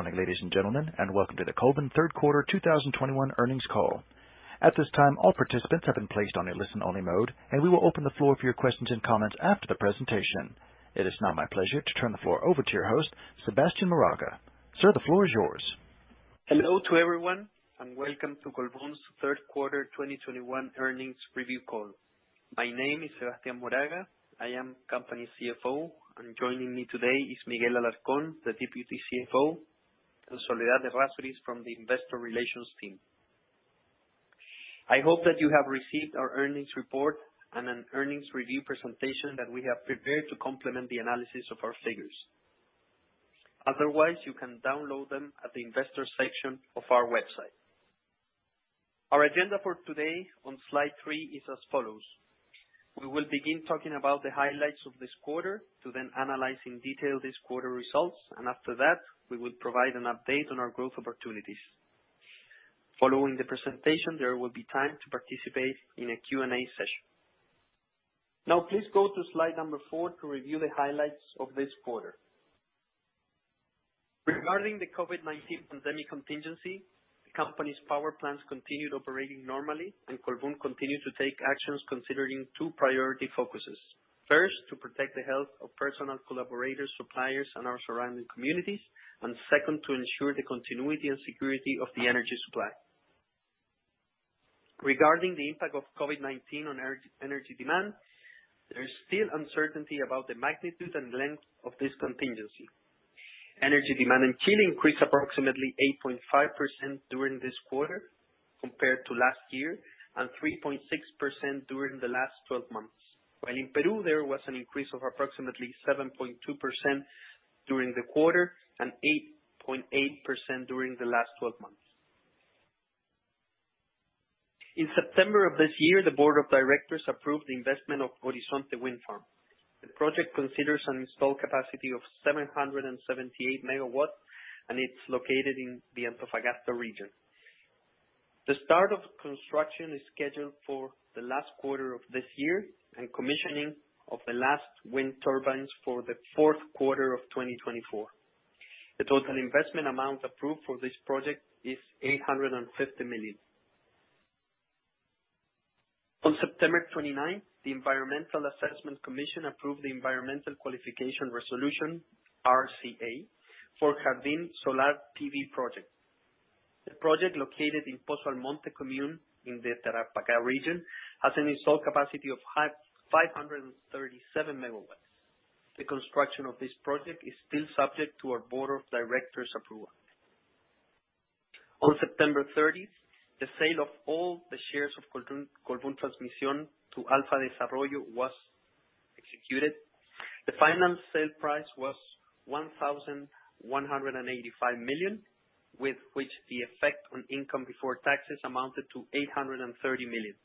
Morning, ladies and gentlemen, and welcome to the Colbún Third Quarter 2021 earnings call. At this time, all participants have been placed on a listen-only mode, and we will open the floor for your questions and comments after the presentation. It is now my pleasure to turn the floor over to your host, Sebastián Moraga. Sir, the floor is yours. Hello to everyone, and welcome to Colbún's Third Quarter 2021 earnings review call. My name is Sebastián Moraga, I am Company CFO, and joining me today is Miguel Alarcón, the Deputy CFO, and Soledad Errázuriz from the Investor Relations team. I hope that you have received our earnings report and an earnings review presentation that we have prepared to complement the analysis of our figures. Otherwise, you can download them at the investor section of our website. Our agenda for today on slide three is as follows. We will begin talking about the highlights of this quarter, to then analyze in detail this quarter results, and after that, we will provide an update on our growth opportunities. Following the presentation, there will be time to participate in a Q&A session. Now, please go to slide number four to review the highlights of this quarter. Regarding the COVID-19 pandemic contingency, the company's power plants continued operating normally, and Colbún continued to take actions considering two priority focuses. First, to protect the health of personnel collaborators, suppliers, and our surrounding communities. Second, to ensure the continuity and security of the energy supply. Regarding the impact of COVID-19 on energy demand, there is still uncertainty about the magnitude and length of this contingency. Energy demand in Chile increased approximately 8.5% during this quarter compared to last year, and 3.6% during the last 12 months. While in Peru, there was an increase of approximately 7.2% during the quarter, and 8.8% during the last 12 months. In September of this year, the board of directors approved the investment of Horizonte Wind Farm. The project considers an installed capacity of 778 MW, and it's located in the Antofagasta region. The start of construction is scheduled for the last quarter of this year, and commissioning of the last wind turbines for the fourth quarter of 2024. The total investment amount approved for this project is $850 million. On September 29, the Environmental Assessment Commission approved the environmental qualification resolution, RCA, for Jardín Solar PV Project. The project, located in Pozo Almonte commune in the Tarapacá region, has an installed capacity of 537 MW. The construction of this project is still subject to our board of directors' approval. On September 30, the sale of all the shares of Colbún Transmisión to Alfa Desarrollo was executed. The final sale price was 1,185 million, with which the effect on income before taxes amounted to 830 million.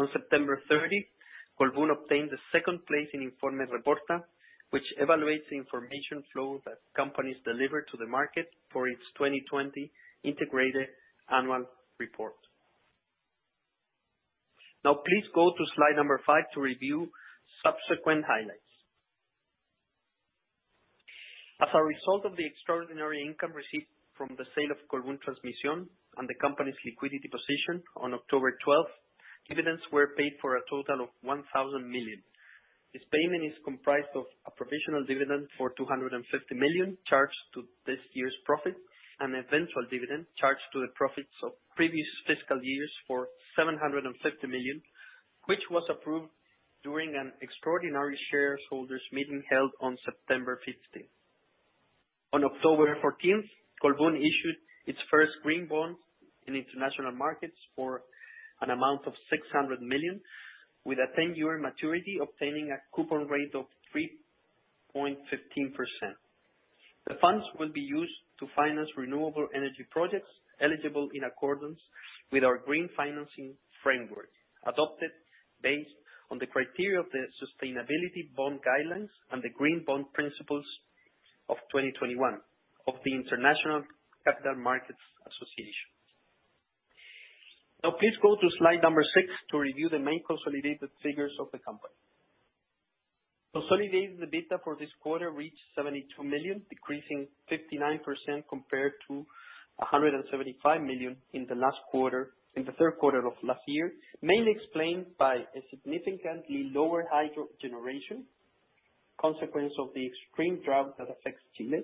On September 30, Colbún obtained the second place in Informe Reporta, which evaluates the information flow that companies deliver to the market for its 2020 integrated annual report. Now, please go to slide five to review subsequent highlights. As a result of the extraordinary income received from the sale of Colbún Transmisión and the company's liquidity position, on October 12, dividends were paid for a total of 1,000 million. This payment is comprised of a provisional dividend for 250 million, charged to this year's profit, and eventual dividend, charged to the profits of previous fiscal years, for 750 million, which was approved during an extraordinary shareholders meeting held on September 15. On October 14th, Colbún issued its first green bonds in international markets for an amount of $600 million, with a 10-year maturity, obtaining a coupon rate of 3.15%. The funds will be used to finance renewable energy projects eligible in accordance with our green financing framework, adopted based on the criteria of the sustainability bond guidelines and the green bond principles of 2021 of the International Capital Market Association. Now, please go to slide number six to review the main consolidated figures of the company. Consolidated EBITDA for this quarter reached $72 million, decreasing 59% compared to $175 million in the last quarter, in the third quarter of last year, mainly explained by a significantly lower hydro generation, consequence of the extreme drought that affects Chile,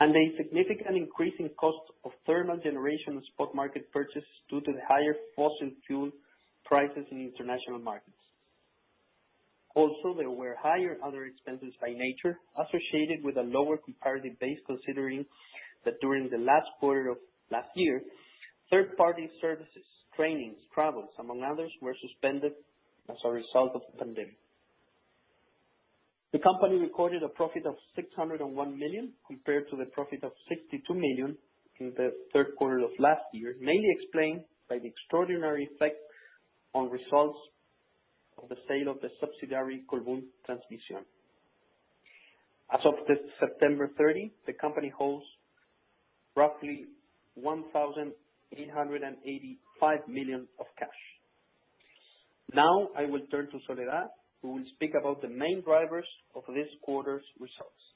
and a significant increase in cost of thermal generation and spot market purchase due to the higher fossil fuel prices in international markets. Also, there were higher other expenses by nature, associated with a lower comparative base, considering that during the last quarter of last year, third-party services, trainings, travels, among others, were suspended as a result of the pandemic. The company recorded a profit of $601 million, compared to the profit of $62 million in the third quarter of last year, mainly explained by the extraordinary effect on results of the sale of the subsidiary, Colbún Transmisión. As of the September 30, the company holds roughly $1,885 million of cash. Now I will turn to Soledad, who will speak about the main drivers of this quarter's results.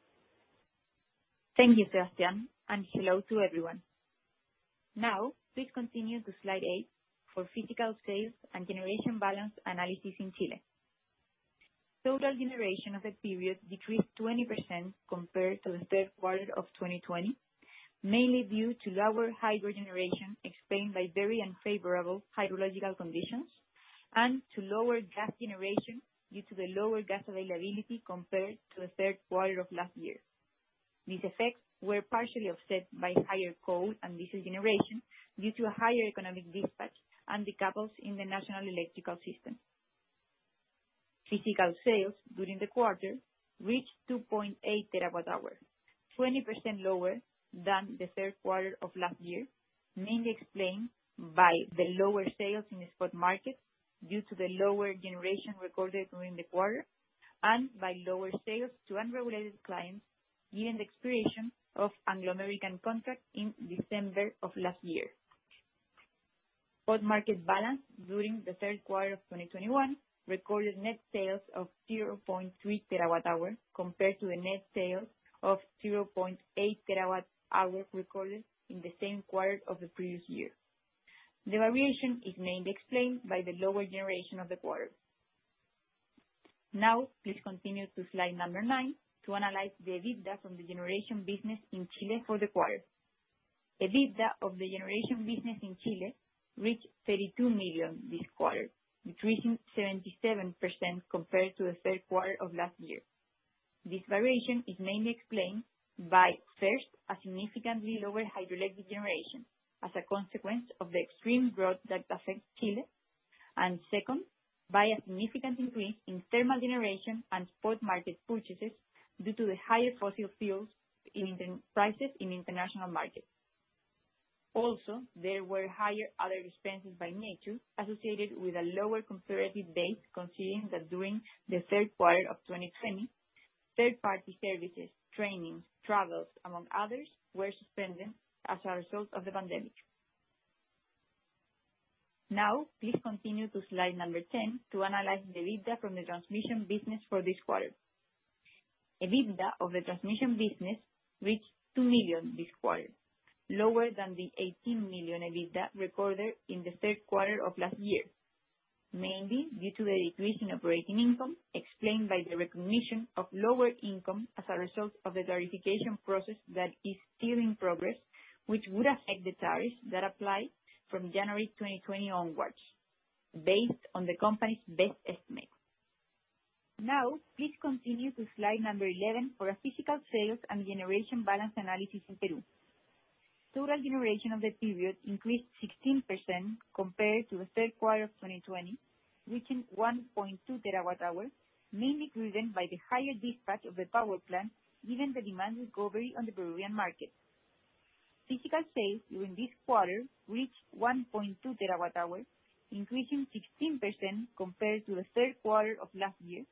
Thank you, Sebastián, and hello to everyone. Now, please continue to slide eight for physical sales and generation balance analysis in Chile. Total generation of the period decreased 20% compared to the third quarter of 2020, mainly due to lower hydro generation explained by very unfavorable hydrological conditions and to lower gas generation due to the lower gas availability compared to the third quarter of last year. These effects were partially offset by higher coal and diesel generation due to a higher economic dispatch and decouples in the national electrical system. Physical sales during the quarter reached 2.8 TWh, 20% lower than the third quarter of last year, mainly explained by the lower sales in the spot market due to the lower generation recorded during the quarter and by lower sales to unregulated clients given the expiration of Anglo American contract in December of last year. Spot market balance during the third quarter of 2021 recorded net sales of 0.3 TWh compared to the net sales of 0.8 TWh recorded in the same quarter of the previous year. The variation is mainly explained by the lower generation of the quarter. Now, please continue to slide 9 to analyze the EBITDA from the generation business in Chile for the quarter. EBITDA of the generation business in Chile reached $32 million this quarter, decreasing 77% compared to the third quarter of last year. This variation is mainly explained by, first, a significantly lower hydroelectric generation as a consequence of the extreme drought that affect Chile. Second, by a significant increase in thermal generation and spot market purchases due to the higher fossil fuel prices in international markets. Also, there were higher other expenses by nature associated with a lower comparative base, considering that during the third quarter of 2020, third-party services, training, travel, among others, were suspended as a result of the pandemic. Now, please continue to slide number 10 to analyze the EBITDA from the transmission business for this quarter. EBITDA of the transmission business reached $2 million this quarter, lower than the $18 million EBITDA recorded in the third quarter of last year, mainly due to a decrease in operating income explained by the recognition of lower income as a result of the tariffication process that is still in progress, which would affect the tariffs that apply from January 2020 onwards, based on the company's best estimate. Now, please continue to slide 11 for our physical sales and generation balance analysis in Peru. Total generation of the period increased 16% compared to the third quarter of 2020, reaching 1.2 TWh, mainly driven by the higher dispatch of the power plant given the demand recovery on the Peruvian market. Physical sales during this quarter reached 1.2 TWh, increasing 16% compared to the third quarter of last year,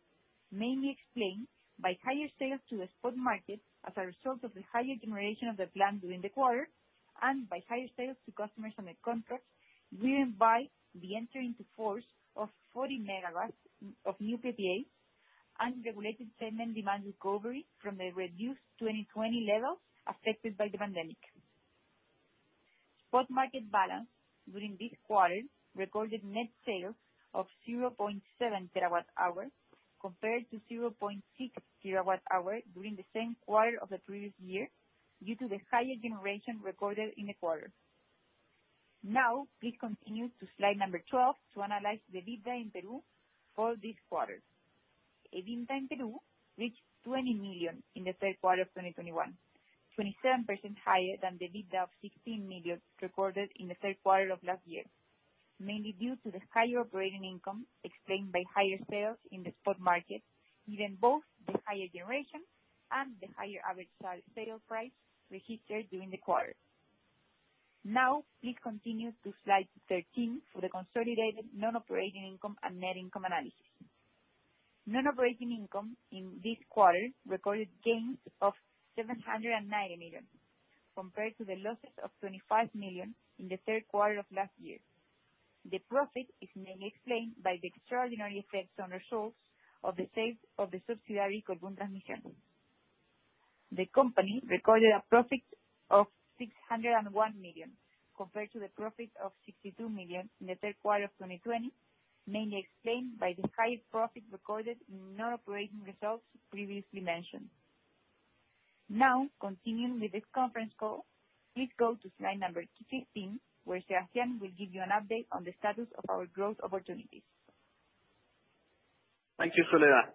mainly explained by higher sales to the spot market as a result of the higher generation of the plant during the quarter by higher sales to customers under contract, driven by the entry into force of 40 MW of new PPAs and regulated segment demand recovery from the reduced 2020 levels affected by the pandemic. Spot market balance during this quarter recorded net sales of 0.7 TWh compared to 0.6 TWh during the same quarter of the previous year, due to the higher generation recorded in the quarter. Now, please continue to slide 12 to analyze the EBITDA in Peru for this quarter. EBITDA in Peru reached $20 million in the third quarter of 2021, 27% higher than the EBITDA of $16 million recorded in the third quarter of last year, mainly due to the higher operating income explained by higher sales in the spot market, given both the higher generation and the higher average sale price registered during the quarter. Now, please continue to slide 13 for the consolidated non-operating income and net income analysis. Non-operating income in this quarter recorded gains of $709 million, compared to the losses of $25 million in the third quarter of last year. The profit is mainly explained by the extraordinary effects on results of the sale of the subsidiary, Colbún Transmisión. The company recorded a profit of $601 million, compared to the profit of $62 million in the third quarter of 2020, mainly explained by the higher profit recorded in non-operating results previously mentioned. Continuing with this conference call, please go to slide number 15, where Sebastián will give you an update on the status of our growth opportunities. Thank you, Soledad.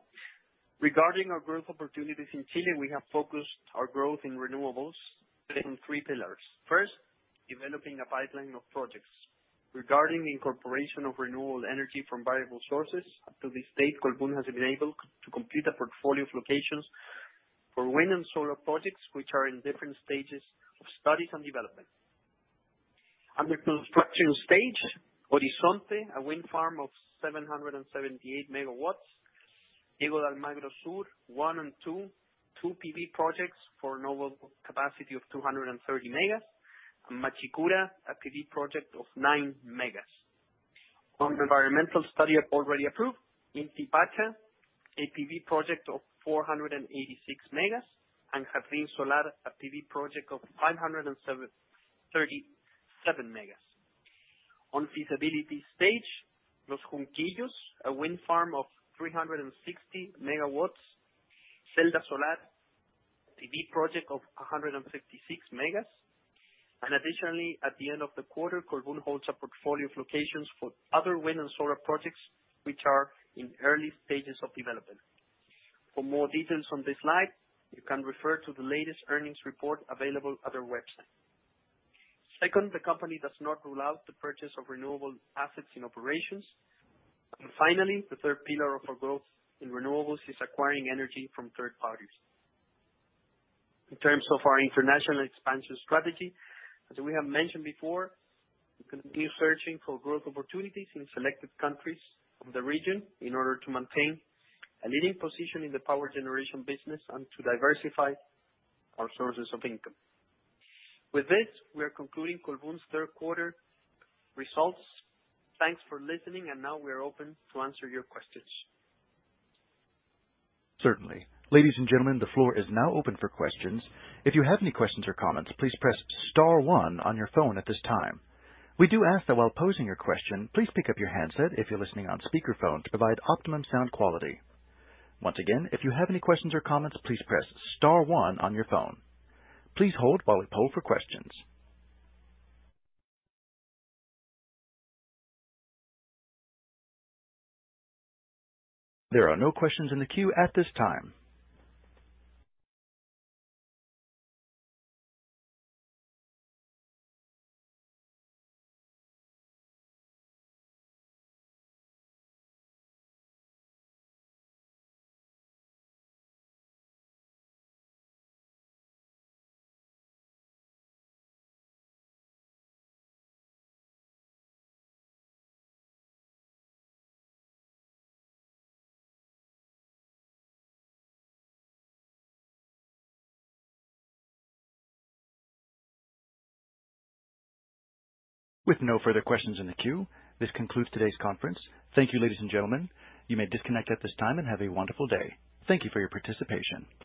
Regarding our growth opportunities in Chile, we have focused our growth in renewables within three pillars. First, developing a pipeline of projects. Regarding the incorporation of renewable energy from variable sources, up to this date, Colbún has been able to complete a portfolio of locations for wind and solar projects, which are in different stages of studies and development. Under construction stage, Horizonte, a wind farm of 778 MW. Diego de Almagro Sur I & II, two PV projects for nominal capacity of 230 MW. Machicura, a PV project of 9 MW. On environmental study already approved, in Tarapacá, a PV project of 486 MW. Jardín Solar, a PV project of 537 MW. On feasibility stage, Los Junquillos, a wind farm of 360 MW. Jardín Solar, a PV project of 156 MW. Additionally, at the end of the quarter, Colbún holds a portfolio of locations for other wind and solar projects, which are in early stages of development. For more details on this slide, you can refer to the latest earnings report available at our website. Second, the company does not rule out the purchase of renewable assets in operations. Finally, the third pillar of our growth in renewables is acquiring energy from third parties. In terms of our international expansion strategy, as we have mentioned before, we continue searching for growth opportunities in selected countries of the region in order to maintain a leading position in the power generation business and to diversify our sources of income. With this, we are concluding Colbún's third quarter results. Thanks for listening, and now we are open to answer your questions. Certainly. Ladies and gentlemen, the floor is now open for questions. If you have any questions or comments, please press star one on your phone at this time. We do ask that while posing your question, please pick up your handset if you're listening on speakerphone to provide optimum sound quality. Once again, if you have any questions or comments, please press star one on your phone. Please hold while we poll for questions. There are no questions in the queue at this time. With no further questions in the queue, this concludes today's conference. Thank you, ladies and gentlemen. You may disconnect at this time and have a wonderful day. Thank you for your participation.